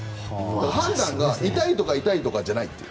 判断が痛いとか痛くないとかじゃないという。